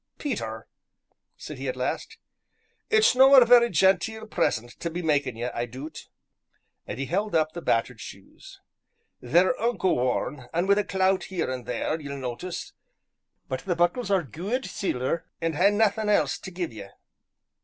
"Peter," said he at last, "it's no a vera genteel present tae be makin' ye, I doot," and he held up the battered shoes. "They're unco worn, an' wi' a clout here an' there, ye'll notice, but the buckles are guid siller, an' I hae naething else to gi'e ye.